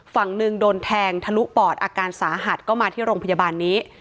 ฝั่งหนึ่งโดนแทงทะลุปอดอาการสาหัสก็มาที่โรงพยาบาลนี้